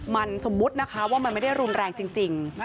มันสมมุตินะคะว่ามันไม่ได้รุนแรงจริง